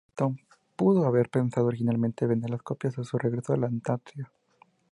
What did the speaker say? Shackleton pudo haber pensado originalmente vender las copias a su regreso de la Antártida.